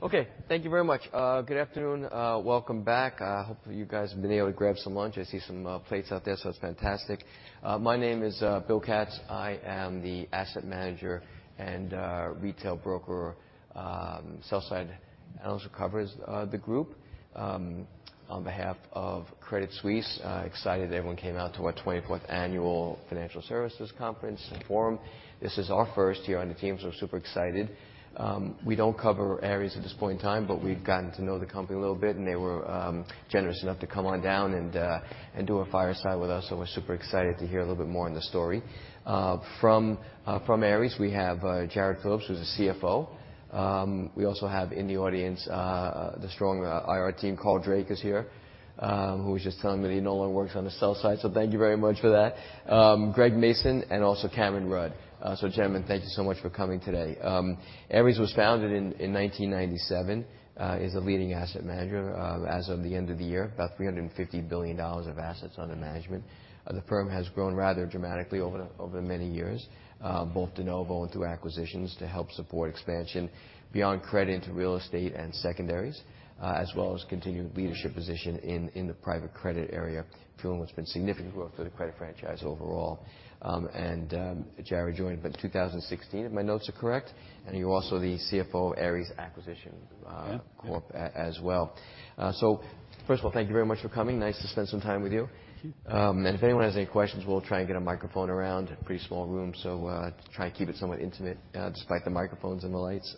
Thank you very much. Good afternoon. Welcome back. Hopefully you guys have been able to grab some lunch. I see some plates out there, so it's fantastic. My name is Bill Katz. I am the asset manager and retail broker, sell-side analyst who covers the group on behalf of Credit Suisse. Excited everyone came out to our 24th annual financial services conference and forum. This is our first year on the team, super excited. We don't cover Ares at this point in time, we've gotten to know the company a little bit, and they were generous enough to come on down and do a fireside with us. We're super excited to hear a little bit more on the story. From, from Ares, we have Jarrod Phillips, who's the CFO. We also have in the audience, the strong IR team. Carl Drake is here, who was just telling me that he no longer works on the sell side, so thank you very much for that. Greg Mason and also Cameron Rudd. Gentlemen, thank you so much for coming today. Ares was founded in 1997, is a leading asset manager, as of the end of the year, about $350 billion of assets under management. The firm has grown rather dramatically over the many years, both de novo and through acquisitions to help support expansion beyond credit into real estate and secondaries, as well as continued leadership position in the private credit area, fueling what's been significant growth for the credit franchise overall. Jarrod joined in 2016 if my notes are correct, and you're also the CFO of Ares Acquisition Corporation as well. Yeah. First of all, thank you very much for coming. Nice to spend some time with you. Thank you. If anyone has any questions, we'll try and get a microphone around. Pretty small room, so, try to keep it somewhat intimate, despite the microphones and the lights.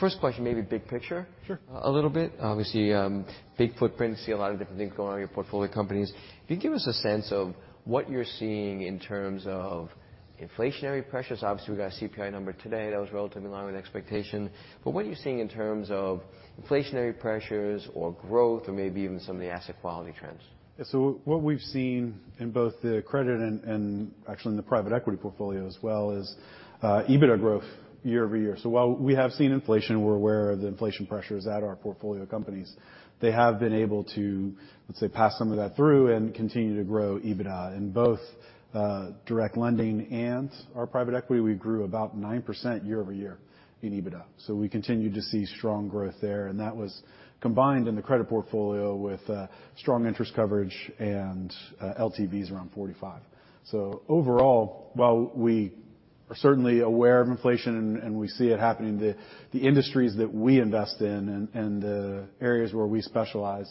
First question maybe big picture... Sure. -a little bit. Obviously, big footprint. See a lot of different things going on in your portfolio companies. Can you give us a sense of what you're seeing in terms of inflationary pressures? Obviously, we got a CPI number today that was relatively in line with expectation. What are you seeing in terms of inflationary pressures or growth or maybe even some of the asset quality trends? Yeah. What we've seen in both the credit and, actually in the private equity portfolio as well is EBITDA growth year-over-year. While we have seen inflation, we're aware of the inflation pressures at our portfolio companies, they have been able to, let's say, pass some of that through and continue to grow EBITDA. In both, direct lending and our private equity, we grew about 9% year-over-year in EBITDA. We continued to see strong growth there, and that was combined in the credit portfolio with strong interest coverage and LTVs around 45. Overall, while we are certainly aware of inflation and we see it happening, the industries that we invest in and the areas where we specialize,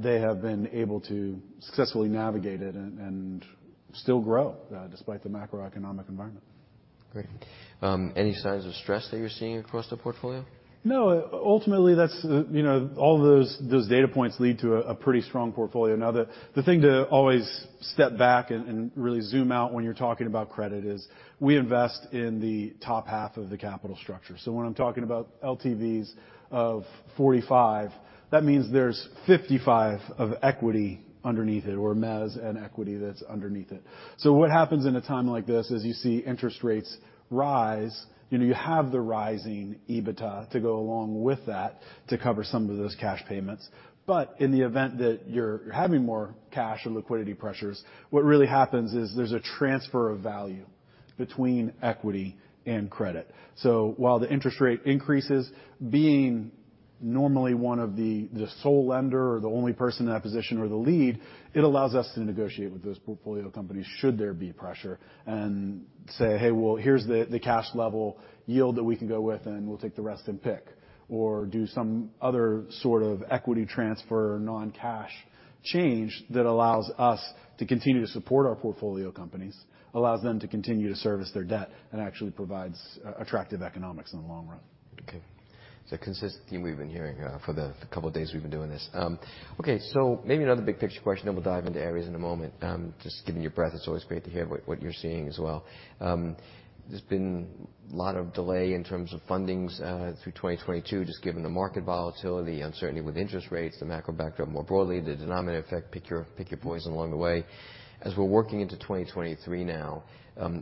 they have been able to successfully navigate it and still grow, despite the macroeconomic environment. Great. Any signs of stress that you're seeing across the portfolio? Ultimately, that's, you know, all those data points lead to a pretty strong portfolio. The thing to always step back and really zoom out when you're talking about credit is we invest in the top half of the capital structure. When I'm talking about LTVs of 45, that means there's 55 of equity underneath it or mezz and equity that's underneath it. What happens in a time like this is you see interest rates rise. You know, you have the rising EBITDA to go along with that to cover some of those cash payments. In the event that you're having more cash or liquidity pressures, what really happens is there's a transfer of value between equity and credit. While the interest rate increases, being normally one of the sole lender or the only person in that position or the lead, it allows us to negotiate with those portfolio companies should there be pressure and say, "Hey, well, here's the cash level yield that we can go with, and we'll take the rest in PIK." Do some other sort of equity transfer, non-cash change that allows us to continue to support our portfolio companies, allows them to continue to service their debt, and actually provides attractive economics in the long run. Okay. It's a consistent theme we've been hearing for the couple days we've been doing this. Okay, so maybe another big picture question, then we'll dive into Ares in a moment. Just given your breadth, it's always great to hear what you're seeing as well. There's been a lot of delay in terms of fundings through 2022, just given the market volatility, uncertainty with interest rates, the macro backdrop more broadly, the denominator effect, PIK your poison along the way. As we're working into 2023 now,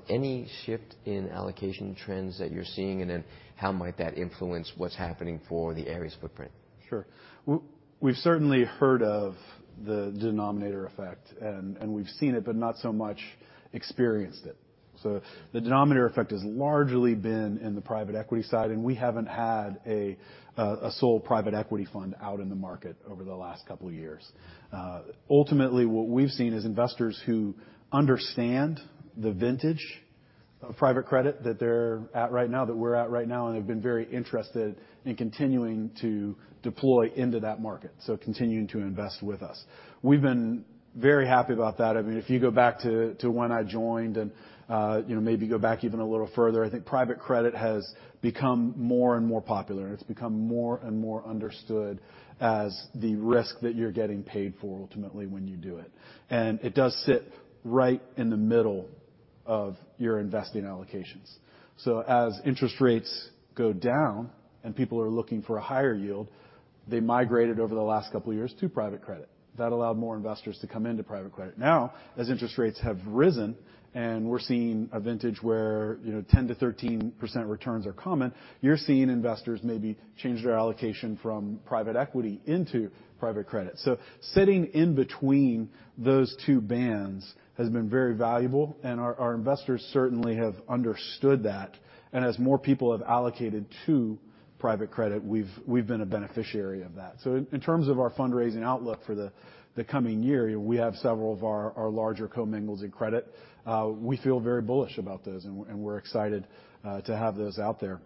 any shift in allocation trends that you're seeing? How might that influence what's happening for the Ares footprint? Sure. We've certainly heard of the denominator effect, and we've seen it but not so much experienced it. The denominator effect has largely been in the private equity side, and we haven't had a sole private equity fund out in the market over the last couple of years. Ultimately, what we've seen is investors who understand the vintage of private credit that they're at right now, that we're at right now, and have been very interested in continuing to deploy into that market, so continuing to invest with us. We've been very happy about that. I mean, if you go back to when I joined and, you know, maybe go back even a little further, I think private credit has become more and more popular, and it's become more and more understood as the risk that you're getting paid for ultimately when you do it. It does sit right in the middle of your investing allocations. As interest rates go down and people are looking for a higher yield, they migrated over the last couple of years to private credit. That allowed more investors to come into private credit. Now, as interest rates have risen and we're seeing a vintage where, you know, 10%-13% returns are common, you're seeing investors maybe change their allocation from private equity into private credit. Sitting in between those two bands has been very valuable, and our investors certainly have understood that. As more people have allocated to private credit, we've been a beneficiary of that. In terms of our fundraising outlook for the coming year, we have several of our larger co-mingles in credit. We feel very bullish about those, and we're excited to have those out there.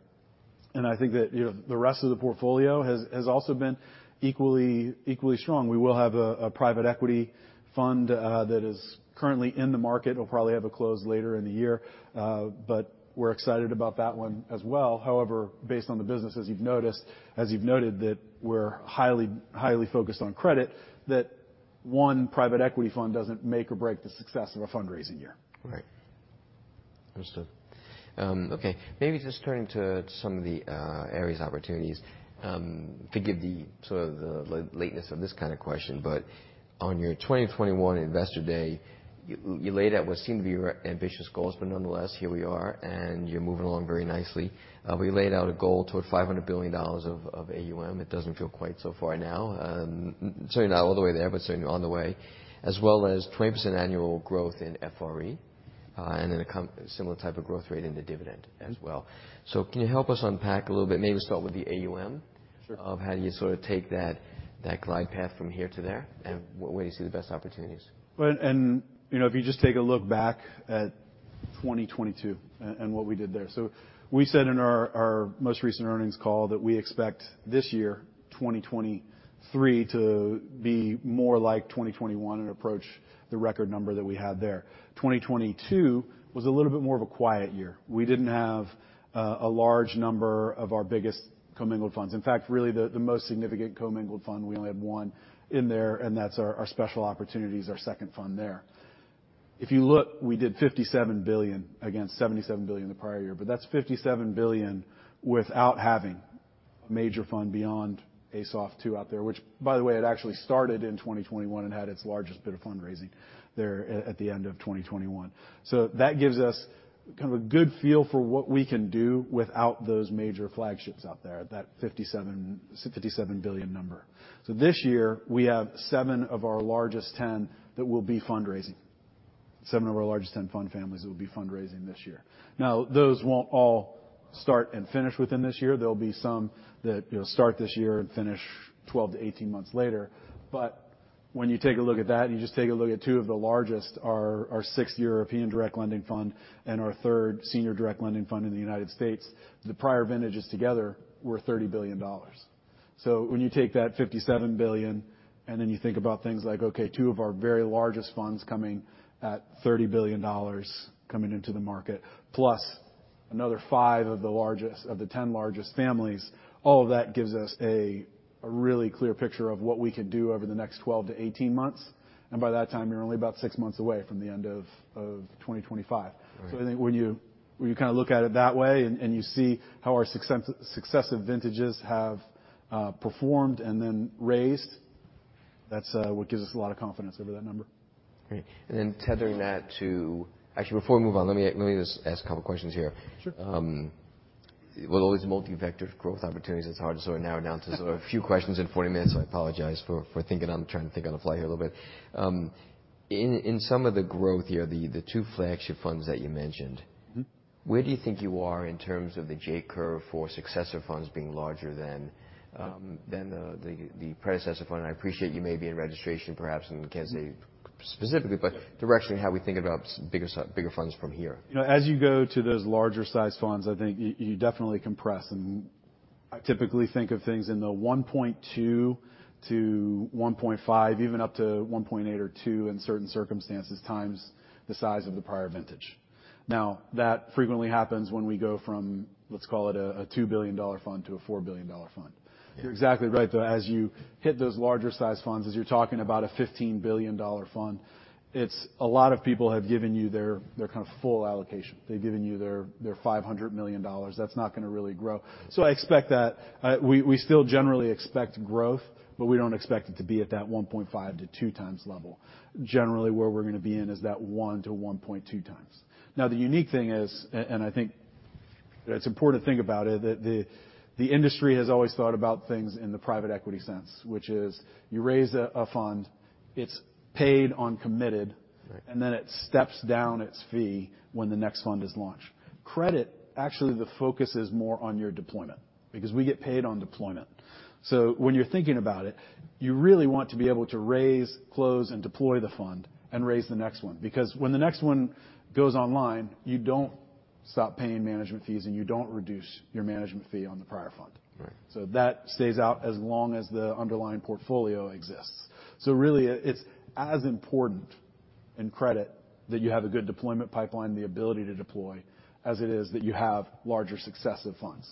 I think that, you know, the rest of the portfolio has also been equally strong. We will have a private equity fund that is currently in the market. We'll probably have it closed later in the year, but we're excited about that one as well. Based on the business, as you've noted, that we're highly focused on credit, that one private equity fund doesn't make or break the success of a fundraising year. Right. Understood. Okay, maybe just turning to some of the Ares opportunities. Forgive the, sort of the lateness of this kind of question, but on your 2021 investor day, you laid out what seemed to be ambitious goals, but nonetheless, here we are, and you're moving along very nicely. We laid out a goal toward $500 billion of AUM. It doesn't feel quite so far now. Certainly not all the way there, but certainly on the way, as well as 20% annual growth in FRE, and then a similar type of growth rate in the dividend as well. Can you help us unpack a little bit, maybe start with the AUM? Sure. of how do you sort of take that glide path from here to there, and where do you see the best opportunities? You know, if you just take a look back at 2022 and what we did there. We said in our most recent earnings call that we expect this year, 2023, to be more like 2021 and approach the record number that we had there. 2022 was a little bit more of a quiet year. We didn't have a large number of our biggest commingled funds. In fact, really the most significant commingled fund, we only had one in there, and that's our Special Opportunities, our second fund there. If you look, we did $57 billion against $77 billion the prior year. That's $57 billion without having a major fund beyond ASOF II out there, which by the way, had actually started in 2021 and had its largest bit of fundraising there at the end of 2021. That gives us kind of a good feel for what we can do without those major flagships out there, that $57 billion number. This year we have seven of our largest 10 that will be fundraising, seven of our largest 10 fund families that will be fundraising this year. Those won't all start and finish within this year. There'll be some that, you know, start this year and finish 12 to 18 months later. When you take a look at that, and you just take a look at two of the largest, our sixth European direct lending fund and our third senior direct lending fund in the United States, the prior vintages together were $30 billion. When you take that $57 billion, and then you think about things like, okay, two of our very largest funds coming at $30 billion coming into the market, plus another five of the 10 largest families, all of that gives us a really clear picture of what we can do over the next 12 to 18 months. By that time, you're only about six months away from the end of 2025. Right. I think when you, when you kinda look at it that way and you see how our successive vintages have performed and then raised, that's what gives us a lot of confidence over that number. Great. Then tethering that to... Actually, before we move on, let me just ask a couple questions here. Sure. With all these multi-vector growth opportunities, it's hard to sort of narrow down to sort of a few questions in 40 minutes. I apologize for thinking on trying to think on the fly here a little bit. In some of the growth here, the two flagship funds that you mentioned... Mm-hmm. Where do you think you are in terms of the J curve for successive funds being larger than the predecessor fund? I appreciate you may be in registration perhaps and can't say specifically. Sure. Directionally, how we think about bigger funds from here. You know, as you go to those larger sized funds, I think you definitely compress. I typically think of things in the 1.2x-1.5x, even up to 1.8x or 2x in certain circumstances, times the size of the prior vintage. That frequently happens when we go from, let's call it a $2 billion fund to a $4 billion fund. You're exactly right, though. As you hit those larger sized funds, as you're talking about a $15 billion fund, it's a lot of people have given you their kind of full allocation. They've given you their $500 million. That's not gonna really grow. I expect that we still generally expect growth, but we don't expect it to be at that 1.5x-2x level. Generally, where we're gonna be in is that 1x-1.2x. Now, the unique thing is, and I think it's important to think about it, that the industry has always thought about things in the private equity sense, which is you raise a fund, it's paid on committed- Right. It steps down its fee when the next fund is launched. Credit, actually, the focus is more on your deployment because we get paid on deployment. When you're thinking about it, you really want to be able to raise, close, and deploy the fund and raise the next one. When the next one goes online, you don't stop paying management fees, and you don't reduce your management fee on the prior fund. Right. That stays out as long as the underlying portfolio exists. Really it's as important in credit that you have a good deployment pipeline, the ability to deploy, as it is that you have larger successive funds.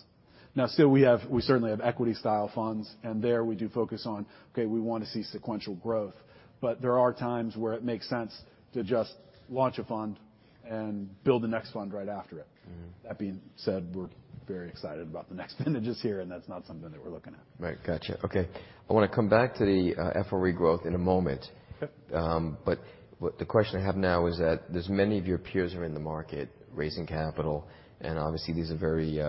Still, we certainly have equity style funds, and there we do focus on, okay, we want to see sequential growth, but there are times where it makes sense to just launch a fund and build the next fund right after it. Mm-hmm. That being said, we're very excited about the next vintages here, and that's not something that we're looking at. Right. Gotcha. Okay. I wanna come back to the FRE growth in a moment. Okay. What the question I have now is that there's many of your peers are in the market raising capital, and obviously these are very,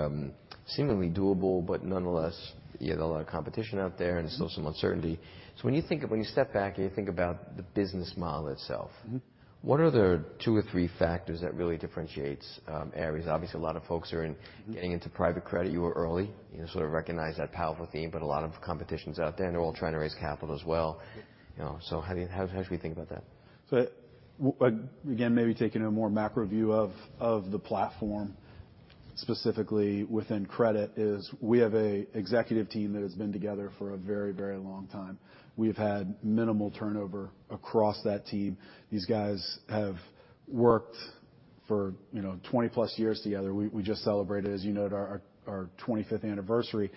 seemingly doable, but nonetheless, you get a lot of competition out there, and there's still some uncertainty. When you step back and you think about the business model itself. Mm-hmm. What are the two or three factors that really differentiates, Ares? Obviously, a lot of folks are. Mm-hmm. -getting into private credit. You were early, you know, sort of recognized that powerful theme, but a lot of competition's out there, and they're all trying to raise capital as well, you know. How should we think about that? Again, maybe taking a more macro view of the platform, specifically within credit, is we have an executive team that has been together for a very, very long time. We've had minimal turnover across that team. These guys have worked for, you know, 20-plus years together. We just celebrated, as you note, our 25th anniversary.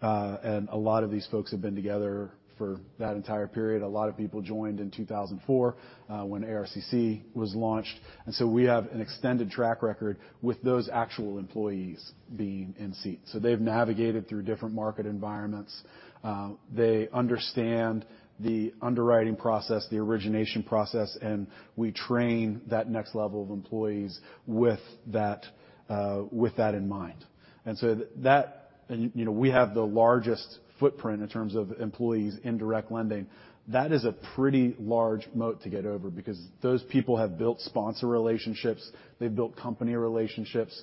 A lot of these folks have been together for that entire period. A lot of people joined in 2004 when ARCC was launched. We have an extended track record with those actual employees being in seat. They've navigated through different market environments. They understand the underwriting process, the origination process, and we train that next level of employees with that in mind. You know, we have the largest footprint in terms of employees in direct lending. That is a pretty large moat to get over because those people have built sponsor relationships. They've built company relationships.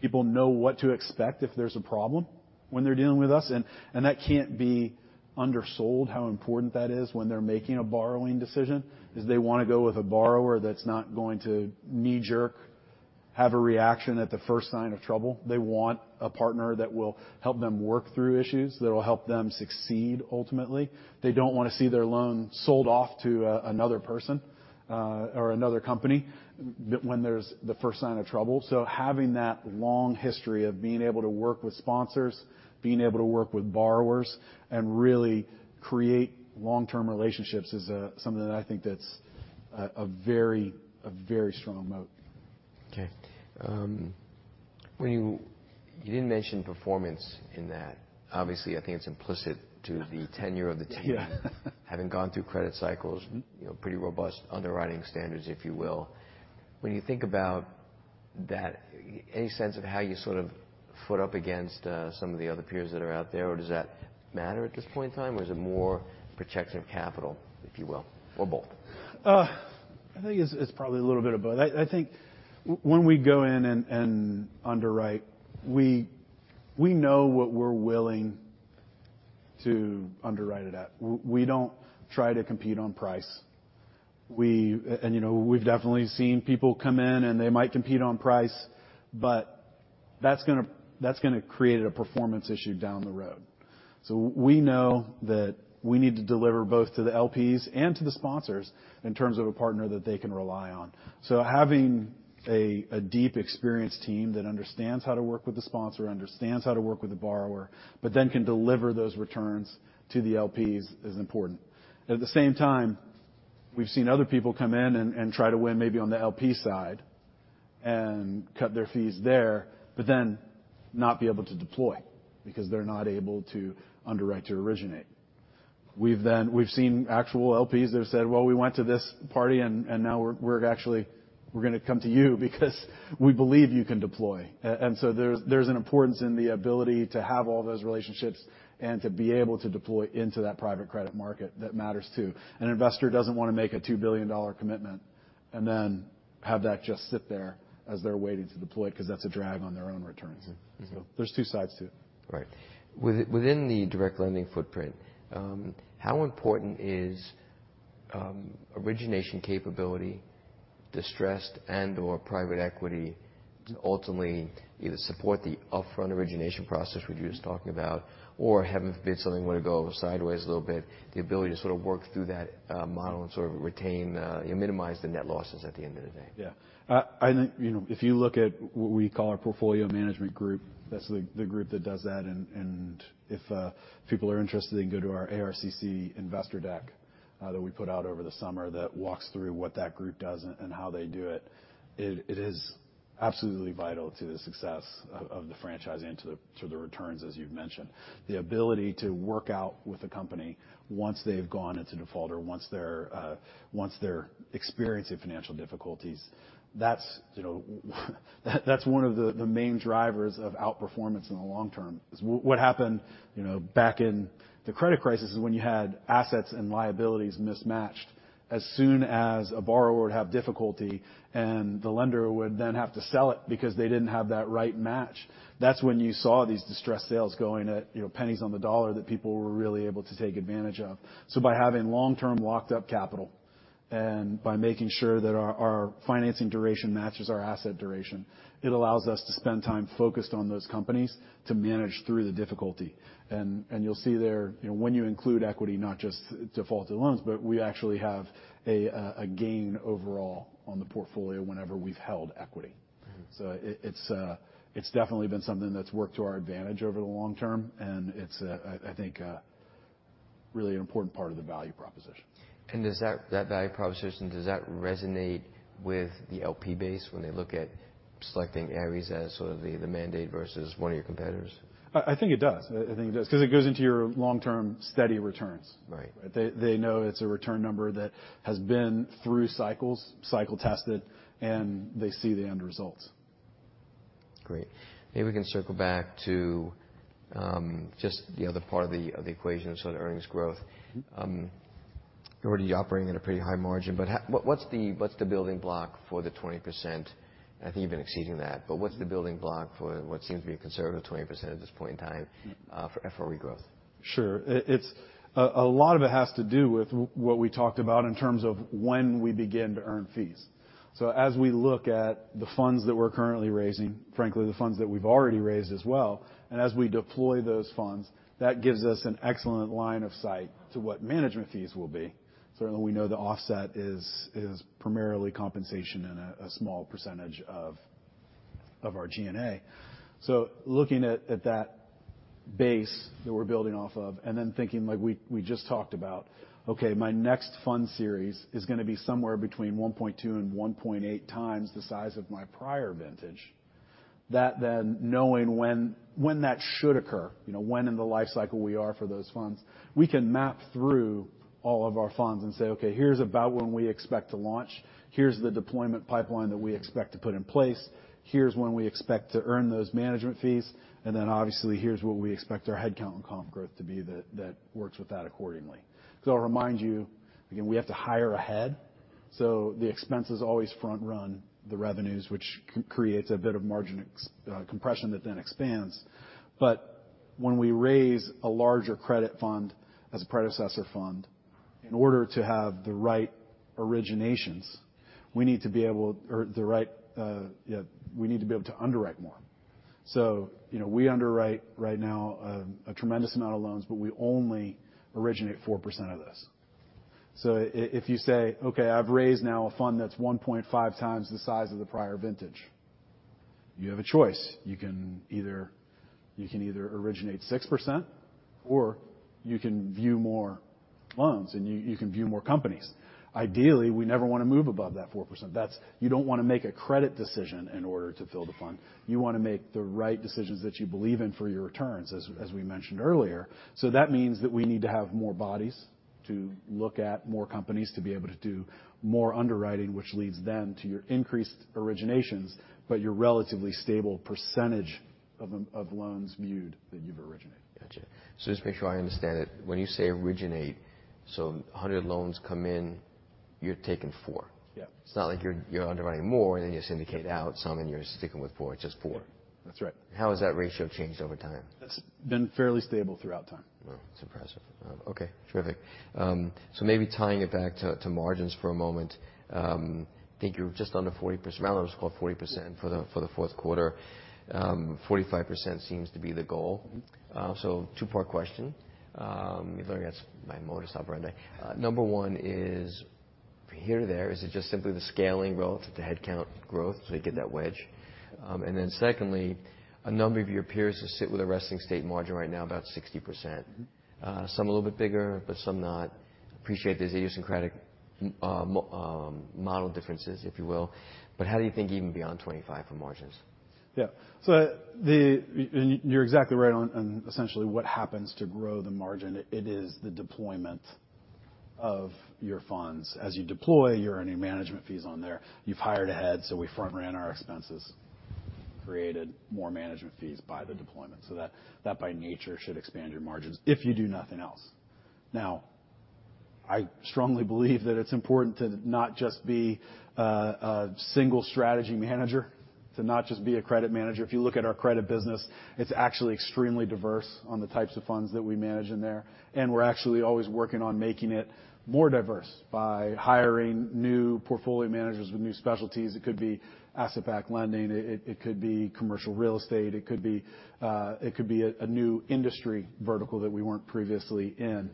People know what to expect if there's a problem when they're dealing with us. That can't be undersold how important that is when they're making a borrowing decision, is they wanna go with a borrower that's not going to knee-jerk, have a reaction at the first sign of trouble. They want a partner that will help them work through issues, that will help them succeed, ultimately. They don't wanna see their loan sold off to another person or another company when there's the first sign of trouble. Having that long history of being able to work with sponsors, being able to work with borrowers, and really create long-term relationships is something that I think that's a very strong moat. Okay. You didn't mention performance in that. Obviously, I think it's implicit to the tenure of the team. Yeah. Having gone through credit cycles. Mm-hmm ...you know, pretty robust underwriting standards, if you will. When you think about that, any sense of how you sort of foot up against, some of the other peers that are out there? Does that matter at this point in time, or is it more protection of capital, if you will, or both? I think it's probably a little bit of both. I think when we go in and underwrite, we know what we're willing to underwrite it at. We don't try to compete on price. We, you know, we've definitely seen people come in, and they might compete on price, but that's gonna create a performance issue down the road. We know that we need to deliver both to the LPs and to the sponsors in terms of a partner that they can rely on. Having a deep, experienced team that understands how to work with a sponsor, understands how to work with a borrower, but then can deliver those returns to the LPs is important. At the same time, we've seen other people come in and try to win maybe on the LP side and cut their fees there, but then not be able to deploy because they're not able to underwrite to originate. We've seen actual LPs that have said, "Well, we went to this party, and now we're actually gonna come to you because we believe you can deploy." There's, there's an importance in the ability to have all those relationships and to be able to deploy into that private credit market that matters, too. An investor doesn't wanna make a $2 billion commitment and then have that just sit there as they're waiting to deploy, because that's a drag on their own returns. Mm-hmm. There's two sides to it. Right. Within the direct lending footprint, how important is origination capability, distressed and/or private equity to ultimately either support the upfront origination process, which you were just talking about, or, heaven forbid, something were to go sideways a little bit, the ability to sort of work through that model and sort of you minimize the net losses at the end of the day? Yeah. I think, you know, what we call our portfolio management group, that's the group that does that. If people are interested, they can go to our ARCC investor deck that we put out over the summer that walks through what that group does and how they do it. It is absolutely vital to the success of the franchise and to the returns, as you've mentioned. The ability to work out with a company once they've gone into default or once they're experiencing financial difficulties, that's, you know. That's one of the main drivers of outperformance in the long term. Is what happened, you know, back in the credit crisis is when you had assets and liabilities mismatched. As soon as a borrower would have difficulty, and the lender would then have to sell it because they didn't have that right match, that's when you saw these distressed sales going at, you know, pennies on the dollar that people were really able to take advantage of. By having long-term locked up capital and by making sure that our financing duration matches our asset duration, it allows us to spend time focused on those companies to manage through the difficulty. You'll see there, you know, when you include equity, not just defaulted loans, but we actually have a gain overall on the portfolio whenever we've held equity. Mm-hmm. It's definitely been something that's worked to our advantage over the long term, and it's a, I think, really an important part of the value proposition. Does that value proposition, does that resonate with the LP base when they look at selecting Ares as sort of the mandate versus one of your competitors? I think it does. I think it does. 'Cause it goes into your long-term steady returns. Right. They know it's a return number that has been through cycles, cycle tested, and they see the end results. Great. Maybe we can circle back to, just the other part of the, of the equation. The earnings growth. Mm-hmm. You're already operating at a pretty high margin, but what's the building block for the 20%? I think you've been exceeding that, but what's the building block for what seems to be a conservative 20% at this point in time for FRE growth? Sure. It's a lot of it has to do with what we talked about in terms of when we begin to earn fees. As we look at the funds that we're currently raising, frankly, the funds that we've already raised as well, and as we deploy those funds, that gives us an excellent line of sight to what management fees will be. Certainly, we know the offset is primarily compensation and a small percentage of our G&A. Looking at that base that we're building off of and then thinking like we just talked about, okay, my next fund series is gonna be somewhere between 1.2 and 1.8 times the size of my prior vintage. Knowing when that should occur, you know, when in the life cycle we are for those funds, we can map through all of our funds and say, "Okay, here's about when we expect to launch, here's the deployment pipeline that we expect to put in place. Here's when we expect to earn those management fees, and then obviously, here's what we expect our headcount and comp growth to be that works with that accordingly." I'll remind you again, we have to hire ahead. The expenses always front run the revenues, which creates a bit of margin compression that then expands. When we raise a larger credit fund as a predecessor fund, in order to have the right originations, Yeah, we need to be able to underwrite more. You know, we underwrite right now, a tremendous amount of loans, but we only originate 4% of this. If you say, "Okay, I've raised now a fund that's 1.5x the size of the prior vintage," you have a choice. You can either originate 6% or you can view more loans and you can view more companies. Ideally, we never wanna move above that 4%. That's. You don't wanna make a credit decision in order to fill the fund. You wanna make the right decisions that you believe in for your returns, as we mentioned earlier. That means that we need to have more bodies to look at more companies to be able to do more underwriting, which leads then to your increased originations, but your relatively stable percentage of loans viewed that you've originated. Gotcha. Just to make sure I understand it, when you say originate, 100 loans come in, you're taking 4. Yeah. It's not like you're underwriting more and then you syndicate out some and you're sticking with four. Just four. That's right. How has that ratio changed over time? It's been fairly stable throughout time. Wow. That's impressive. Okay, terrific. Maybe tying it back to margins for a moment. I think you're just under 40%. My notes call it 40% for the, for the fourth quarter. 45% seems to be the goal. Mm-hmm. Two-part question. If only that's my modus operandi. Number one is from here to there, is it just simply the scaling relative to headcount growth, so you get that wedge? Secondly, a number of your peers sit with a resting state margin right now about 60%. Mm-hmm. Some a little bit bigger, but some not. Appreciate there's idiosyncratic, model differences, if you will, but how do you think you can be on 25 for margins? Yeah. You're exactly right on essentially what happens to grow the margin. It is the deployment of your funds. As you deploy, you're earning management fees on there. You've hired ahead, we front-ran our expenses, created more management fees by the deployment. That by nature should expand your margins if you do nothing else. Now, I strongly believe that it's important to not just be a single strategy manager, to not just be a credit manager. If you look at our credit business, it's actually extremely diverse on the types of funds that we manage in there, and we're actually always working on making it more diverse by hiring new portfolio managers with new specialties. It could be asset-backed lending, it could be commercial real estate, it could be a new industry vertical that we weren't previously in.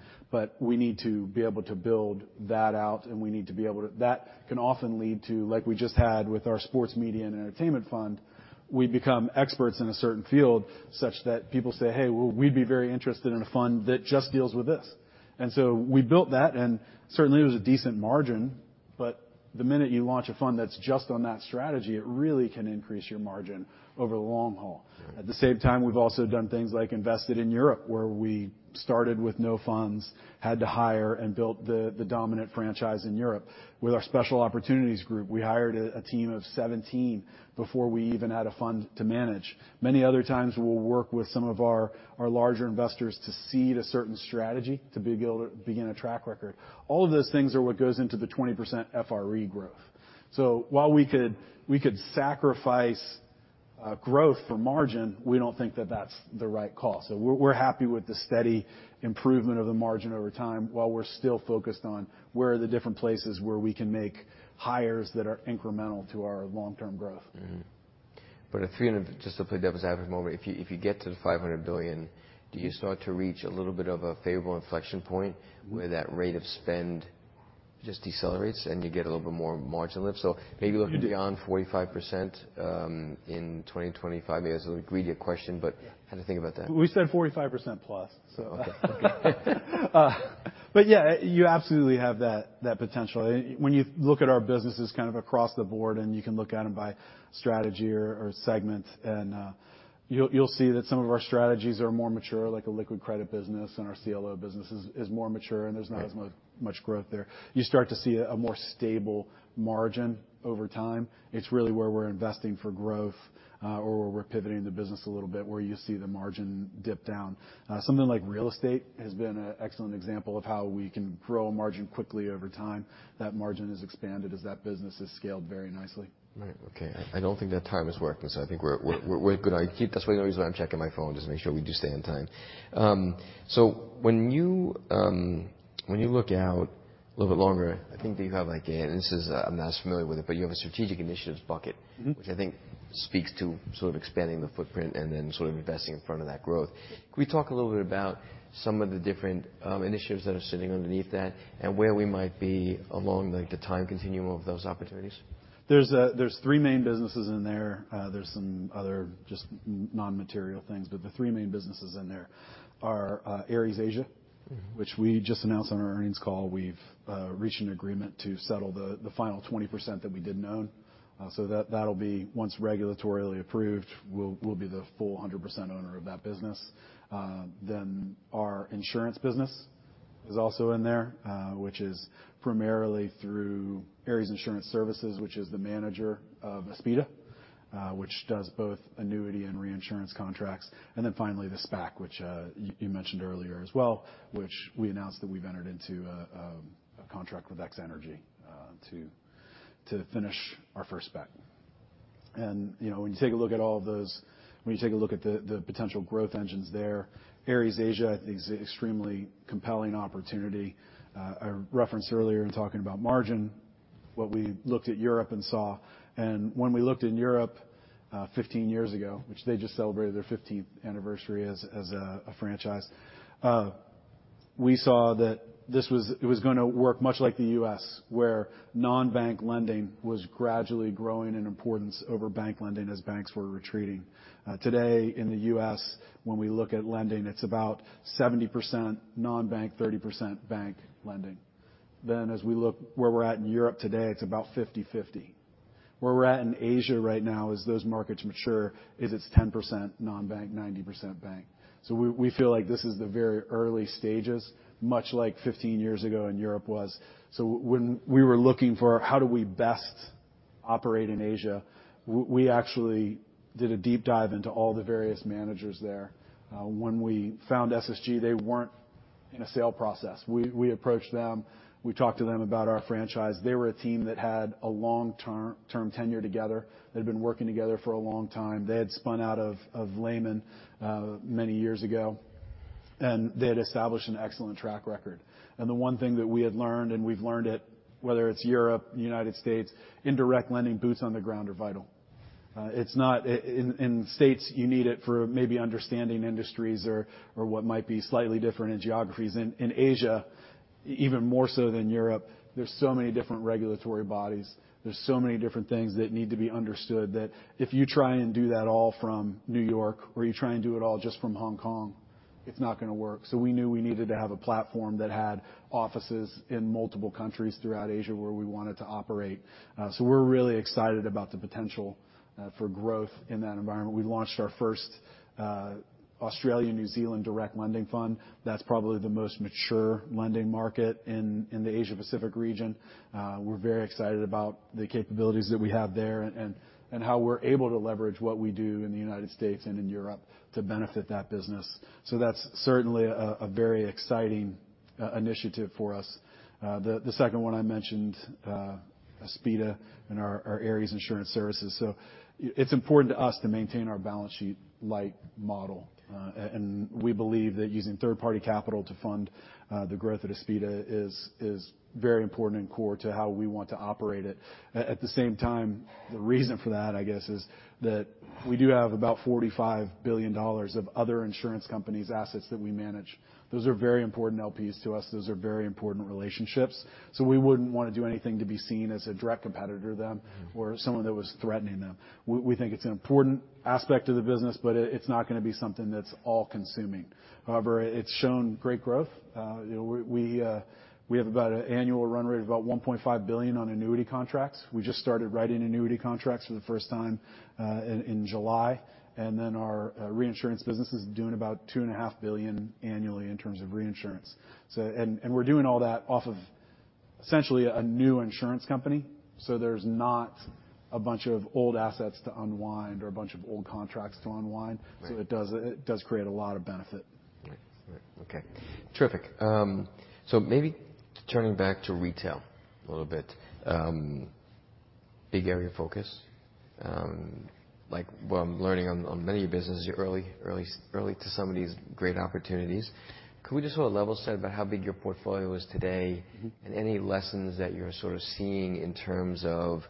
We need to be able to build that out. That can often lead to, like we just had with our Sports Media and Entertainment Fund, we become experts in a certain field such that people say, "Hey, well, we'd be very interested in a fund that just deals with this." We built that, and certainly, it was a decent margin, but the minute you launch a fund that's just on that strategy, it really can increase your margin over the long haul. Right. At the same time, we've also done things like invested in Europe, where we started with no funds, had to hire and built the dominant franchise in Europe. With our special opportunities group, we hired a team of 17 before we even had a fund to manage. Many other times, we'll work with some of our larger investors to seed a certain strategy to be able to begin a track record. All of those things are what goes into the 20% FRE growth. While we could sacrifice growth for margin, we don't think that that's the right call. We're happy with the steady improvement of the margin over time, while we're still focused on where are the different places where we can make hires that are incremental to our long-term growth. Just to play devil's advocate for a moment, if you get to the $500 billion, do you start to reach a little bit of a favorable inflection point where that rate of spend just decelerates and you get a little bit more margin lift? Maybe looking beyond 45% in 2025. Maybe that's a little greedy a question. Yeah. How do you think about that? We said 45%, so. Okay. Okay. Yeah, you absolutely have that potential. When you look at our businesses kind of across the board and you can look at them by strategy or segment and you'll see that some of our strategies are more mature, like a liquid credit business and our CLO business is more mature, and there's not as much growth there. You start to see a more stable margin over time. It's really where we're investing for growth, or where we're pivoting the business a little bit, where you see the margin dip down. Something like real estate has been a excellent example of how we can grow a margin quickly over time. That margin has expanded as that business has scaled very nicely. Right. Okay. I don't think that time is working, so I think we're good. That's why the only reason why I'm checking my phone, just to make sure we do stay on time. When you look out a little bit longer, I think that you have, and this is, I'm not as familiar with it, but you have a strategic initiatives bucket. Mm-hmm. Which I think speaks to sort of expanding the footprint and then sort of investing in front of that growth. Can we talk a little bit about some of the different initiatives that are sitting underneath that and where we might be along, like, the time continuum of those opportunities? There's three main businesses in there. There's some other just non-material things, but the three main businesses in there are, Ares Asia. Mm-hmm. which we just announced on our earnings call. We've reached an agreement to settle the final 20% that we didn't own, so that'll be, once regulatorily approved, we'll be the full 100% owner of that business. Then our insurance business is also in there, which is primarily through Ares Insurance Solutions, which is the manager of Aspida, which does both annuity and reinsurance contracts. Finally, the SPAC, which you mentioned earlier as well, which we announced that we've entered into a contract with X-energy, to finish our first SPAC. You know, when you take a look at all of those, when you take a look at the potential growth engines there, Ares Asia I think is a extremely compelling opportunity. I referenced earlier in talking about margin what we looked at Europe and saw. When we looked in Europe, 15 years ago, which they just celebrated their 15th anniversary as a franchise, we saw that this was going to work much like the U.S., where non-bank lending was gradually growing in importance over bank lending as banks were retreating. Today in the U.S., when we look at lending, it's about 70% non-bank, 30% bank lending. As we look where we're at in Europe today, it's about 50/50. Where we're at in Asia right now, as those markets mature, is it's 10% non-bank, 90% bank. We feel like this is the very early stages, much like 15 years ago in Europe was. When we were looking for how do we best operate in Asia, we actually did a deep dive into all the various managers there. When we found SSG, they weren't in a sale process. We approached them. We talked to them about our franchise. They were a team that had a long-term tenure together. They'd been working together for a long time. They had spun out of Lehman many years ago, and they had established an excellent track record. The one thing that we had learned, and we've learned it whether it's Europe, the United States, in direct lending, boots on the ground are vital. In the States, you need it for maybe understanding industries or what might be slightly different in geographies. In Asia, even more so than Europe, there's so many different regulatory bodies. There's so many different things that need to be understood that if you try and do that all from New York or you try and do it all just from Hong Kong, it's not gonna work. We knew we needed to have a platform that had offices in multiple countries throughout Asia where we wanted to operate. We're really excited about the potential for growth in that environment. We launched our first Australia-New Zealand direct lending fund. That's probably the most mature lending market in the Asia Pacific region. We're very excited about the capabilities that we have there and how we're able to leverage what we do in the United States and in Europe to benefit that business. That's certainly a very exciting initiative for us. The second one I mentioned, Aspida and our Ares Insurance Solutions. It's important to us to maintain our balance sheet-light model. We believe that using third-party capital to fund the growth of Aspida is very important and core to how we want to operate it. At the same time, the reason for that, I guess, is that we do have about $45 billion of other insurance companies' assets that we manage. Those are very important LPs to us. Those are very important relationships, we wouldn't wanna do anything to be seen as a direct competitor to them. Mm-hmm. -or someone that was threatening them. We think it's an important aspect of the business, but it's not gonna be something that's all-consuming. However, it's shown great growth. you know, we have about an annual run rate of about $1.5 billion on annuity contracts. We just started writing annuity contracts for the first time in July. Our reinsurance business is doing about $2.5 billion annually in terms of reinsurance. We're doing all that off of essentially a new insurance company, so there's not a bunch of old assets to unwind or a bunch of old contracts to unwind. Right. It does create a lot of benefit. Right. Right. Okay. Terrific. Maybe turning back to retail a little bit, big area of focus. like what I'm learning on many of your businesses, you're early to some of these great opportunities. Can we just get a level set about how big your portfolio is today? Mm-hmm. Any lessons that you're sort of seeing in terms of,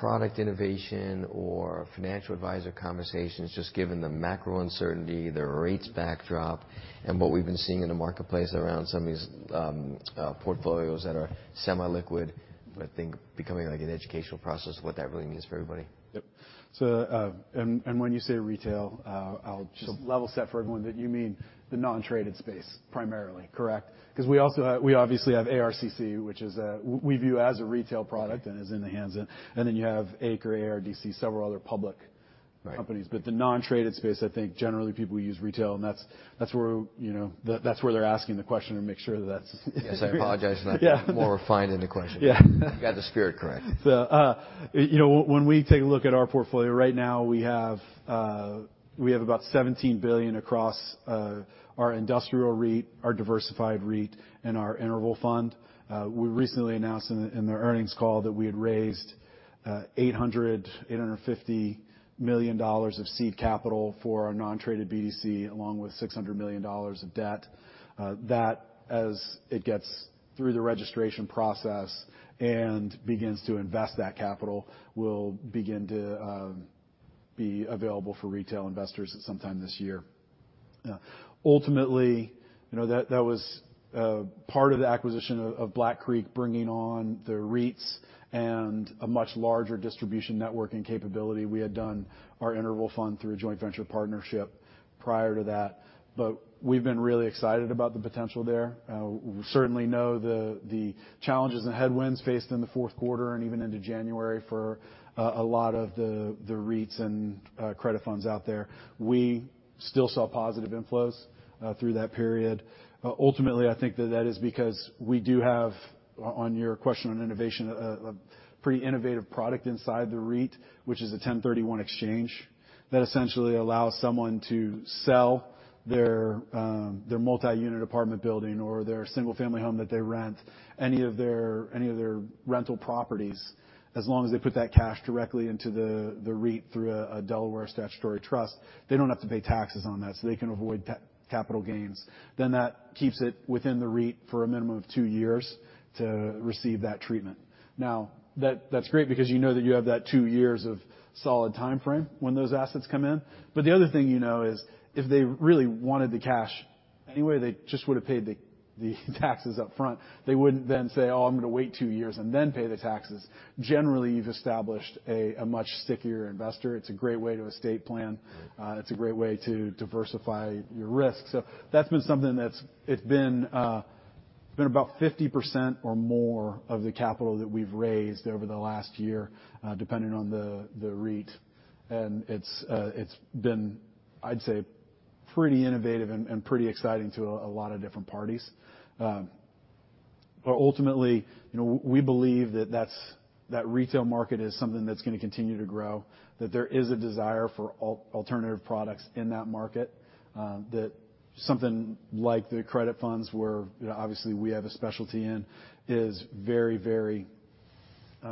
product innovation or financial advisor conversations, just given the macro uncertainty, the rates backdrop, and what we've been seeing in the marketplace around some of these, portfolios that are semi-liquid, but I think becoming, like, an educational process of what that really means for everybody. Yep. and when you say retail, Sure. level set for everyone that you mean the non-traded space primarily, correct? 'Cause we obviously have ARCC, which is, we view as a retail product. Right. -and is in the hands of... Then you have ACRE, ARDC, several other public... companies. The non-traded space, I think generally people use retail, and that's where, you know, that's where they're asking the question to make sure that's... Yes, I apologize for not being more refined in the question. Yeah. You got the spirit correct. The, when we take a look at our portfolio right now, we have about $17 billion across our AIREIT, our AREIT, and our interval fund. We recently announced in the earnings call that we had raised $850 million of seed capital for our non-traded BDC, along with $600 million of debt. That, as it gets through the registration process and begins to invest that capital, will begin to be available for retail investors at sometime this year. Ultimately, that was part of the acquisition of Black Creek bringing on the REITs and a much larger distribution network and capability. We had done our interval fund through a joint venture partnership prior to that. We've been really excited about the potential there. We certainly know the challenges and headwinds faced in the fourth quarter and even into January for a lot of the REITs and credit funds out there. We still saw positive inflows through that period. Ultimately, I think that that is because we do have, on your question on innovation, a pretty innovative product inside the REIT, which is a 1031 exchange that essentially allows someone to sell their multi-unit apartment building or their single-family home that they rent, any of their, any of their rental properties. As long as they put that cash directly into the REIT through a Delaware statutory trust, they don't have to pay taxes on that, so they can avoid capital gains. That keeps it within the REIT for a minimum of two years to receive that treatment. That's great because you know that you have that two years of solid timeframe when those assets come in. The other thing you know is if they really wanted the cash anyway, they just would have paid the taxes up front. They wouldn't then say, "Oh, I'm gonna wait two years and then pay the taxes." Generally, you've established a much stickier investor. It's a great way to estate plan. Mm-hmm. It's a great way to diversify your risk. It's been about 50% or more of the capital that we've raised over the last year, depending on the REIT. It's been, I'd say, pretty innovative and pretty exciting to a lot of different parties. Ultimately, you know, we believe that retail market is something that's gonna continue to grow, that there is a desire for alternative products in that market, that something like the credit funds where, you know, obviously we have a specialty in, is very, very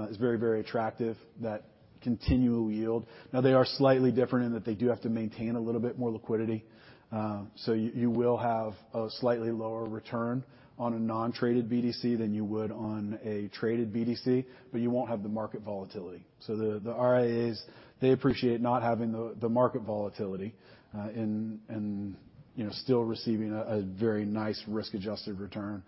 attractive, that continual yield. They are slightly different in that they do have to maintain a little bit more liquidity. You, you will have a slightly lower return on a non-traded BDC than you would on a traded BDC, but you won't have the market volatility. The RIAs, they appreciate not having the market volatility, and, you know, still receiving a very nice risk-adjusted return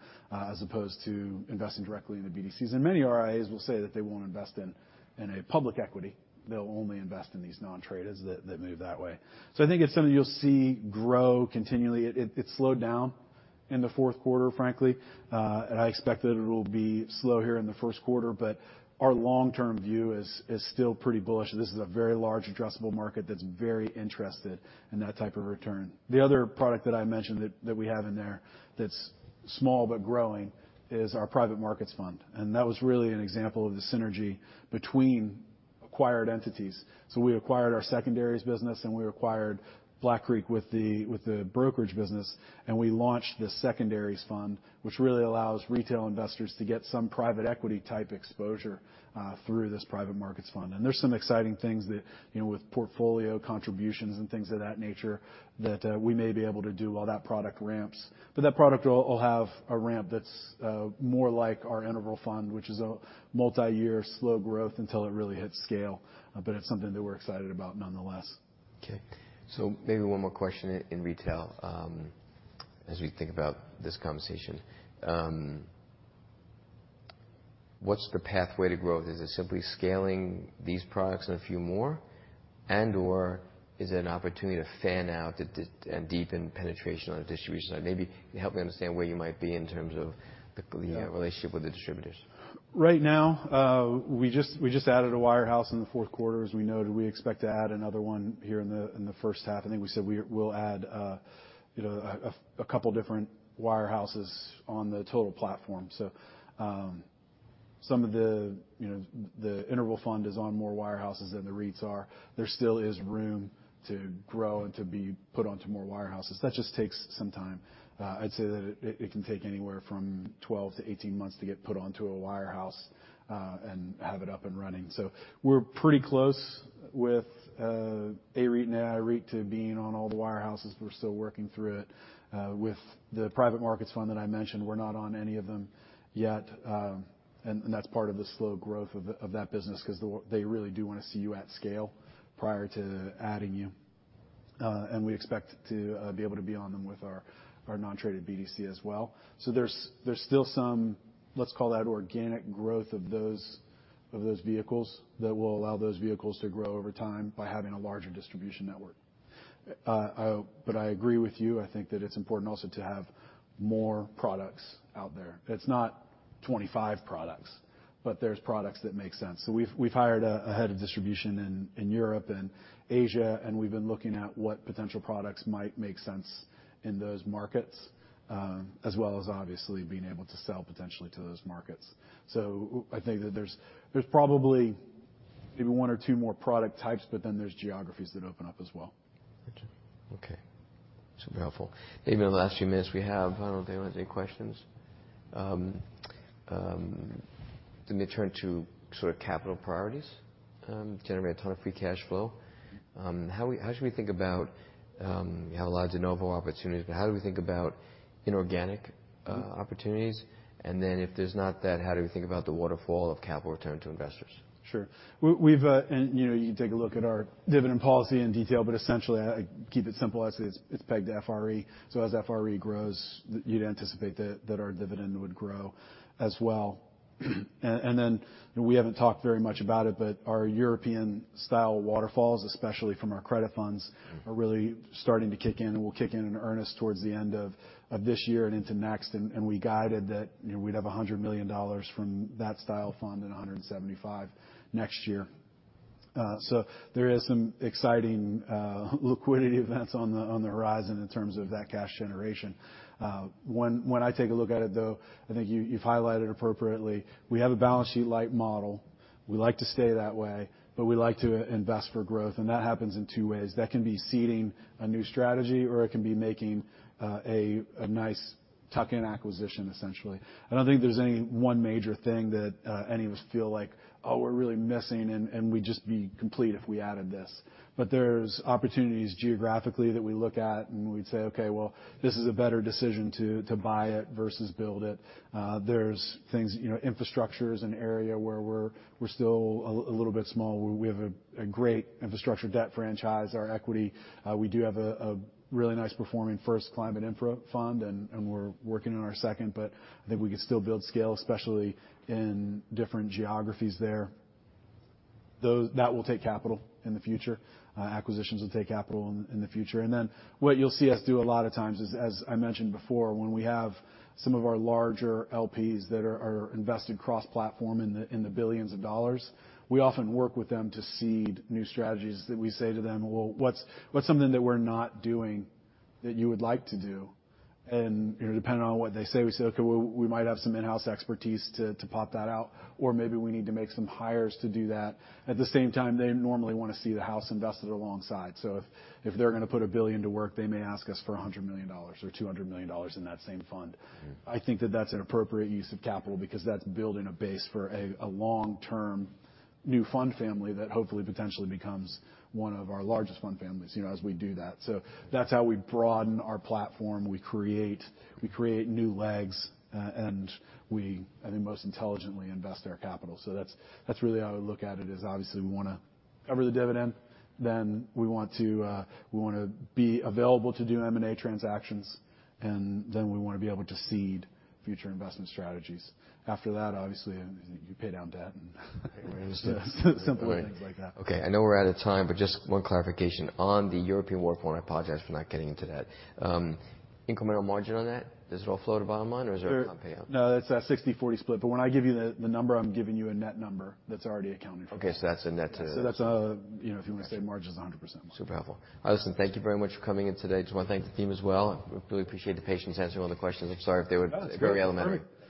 as opposed to investing directly in the BDCs. Many RIAs will say that they won't invest in a public equity. They'll only invest in these non-traders that move that way. I think it's something you'll see grow continually. It slowed down in the fourth quarter, frankly. I expect that it'll be slow here in the first quarter, but our long-term view is still pretty bullish. This is a very large addressable market that's very interested in that type of return. The other product that I mentioned that we have in there that's small but growing is our Ares Private Markets Fund. That was really an example of the synergy between acquired entities. We acquired our secondaries business, we acquired Black Creek Group with the brokerage business, and we launched the secondaries fund, which really allows retail investors to get some private equity type exposure through this Ares Private Markets Fund. There's some exciting things that, you know, with portfolio contributions and things of that nature that we may be able to do while that product ramps. That product will have a ramp that's more like our interval fund, which is a multi-year slow growth until it really hits scale. It's something that we're excited about nonetheless. Okay. maybe one more question in retail, as we think about this conversation. What's the pathway to growth? Is it simply scaling these products and a few more and/or is it an opportunity to fan out and deepen penetration on the distribution side? Maybe help me understand where you might be in terms of. Yeah. Relationship with the distributors. Right now, we just added a wirehouse in the 4th quarter. As we noted, we expect to add another one here in the 1st half. I think we said we'll add, you know, a couple different wirehouses on the total platform. Some of the, you know, the interval fund is on more wirehouses than the REITs are. There still is room to grow and to be put onto more wirehouses. That just takes some time. I'd say that it can take anywhere from 12-18 months to get put onto a wirehouse and have it up and running. We're pretty close with AREIT and AIREIT to being on all the wirehouses. We're still working through it. With the Ares Private Markets Fund that I mentioned, we're not on any of them yet. That's part of the slow growth of that business. Okay. Because they really do wanna see you at scale prior to adding you. We expect to be able to be on them with our non-traded BDC as well. There's still some, let's call that organic growth of those vehicles that will allow those vehicles to grow over time by having a larger distribution network. I agree with you. I think that it's important also to have more products out there. It's not 25 products, but there's products that make sense. We've hired a head of distribution in Europe and Asia, and we've been looking at what potential products might make sense in those markets, as well as obviously being able to sell potentially to those markets. I think that there's probably maybe one or two more product types, but then there's geographies that open up as well. Okay. Super helpful. In the last few minutes we have, I don't know if anyone has any questions, let me turn to sort of capital priorities, generate a ton of free cash flow. How should we think about, you have a lot of de novo opportunities, but how do we think about inorganic opportunities? If there's not that, how do we think about the waterfall of capital return to investors? Sure. We've, you know, you take a look at our dividend policy in detail, essentially I keep it simple. I say it's pegged to FRE. As FRE grows, you'd anticipate that our dividend would grow as well. We haven't talked very much about it, our European-style waterfalls, especially from our credit funds, are really starting to kick in, and will kick in in earnest towards the end of this year and into next. We guided that, you know, we'd have $100 million from that style fund and $175 next year. There is some exciting liquidity events on the horizon in terms of that cash generation. When I take a look at it though, I think you've highlighted appropriately, we have a balance sheet light model. We like to stay that way, but we like to invest for growth, and that happens in two ways. That can be seeding a new strategy or it can be making a nice tuck-in acquisition, essentially. I don't think there's any one major thing that any of us feel like, oh, we're really missing and we'd just be complete if we added this. There's opportunities geographically that we look at and we'd say, "Okay, well, this is a better decision to buy it versus build it." There's things, you know, infrastructure is an area where we're still a little bit small. We have a great infrastructure debt franchise. Our equity, we do have a really nice performing first Climate Infra fund, and we're working on our second, but I think we could still build scale, especially in different geographies there. That will take capital in the future. Acquisitions will take capital in the future. What you'll see us do a lot of times is, as I mentioned before, when we have some of our larger LPs that are invested cross-platform in the billions of dollars, we often work with them to seed new strategies that we say to them, "Well, what's something that we're not doing that you would like to do?" You know, depending on what they say, we say, "Okay, well, we might have some in-house expertise to pop that out, or maybe we need to make some hires to do that." At the same time, they normally wanna see the house invested alongside. If they're gonna put $1 billion to work, they may ask us for $100 million or $200 million in that same fund. Mm-hmm. I think that that's an appropriate use of capital because that's building a base for a long-term new fund family that hopefully potentially becomes one of our largest fund families, you know, as we do that. That's how we broaden our platform. We create new legs, and we, I think, most intelligently invest our capital. That's really how I would look at it, is obviously we wanna cover the dividend, then we want to be available to do M&A transactions, and then we wanna be able to seed future investment strategies. After that, obviously you pay down debt and simple things like that. Okay, I know we're out of time, but just one clarification. On the European waterfall, I apologize for not getting into that. Incremental margin on that, does it all flow to bottom line or is there a comp payout? No, it's a 60/40 split, but when I give you the number, I'm giving you a net number that's already accounted for. Okay, that's a net to- That's a, you know, if you wanna say margin's 100%. Super helpful. Listen, thank you very much for coming in today. Just wanna thank the team as well. Really appreciate the patience answering all the questions. I'm sorry if they were very elementary. That's great. Great. Yeah.